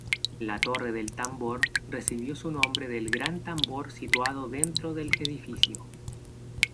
La Torre del Tambor recibió su nombre del gran tambor situado dentro del edificio.